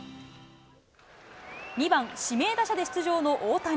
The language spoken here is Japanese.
２番指名打者で出場の大谷。